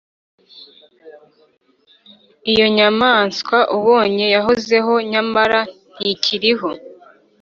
Iyo nyamaswa ubonye yahozeho nyamara ntikiriho,